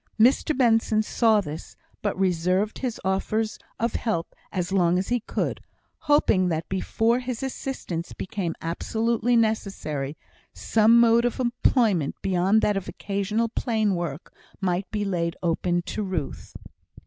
Mr Benson saw this, but reserved his offers of help as long as he could, hoping that before his assistance became absolutely necessary, some mode of employment beyond that of occasional plain work might be laid open to Ruth.